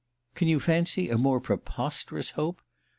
Can you fancy a more preposterous hope?